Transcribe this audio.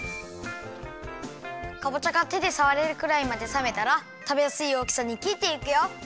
かぼちゃがてでさわれるくらいまでさめたらたべやすいおおきさにきっていくよ。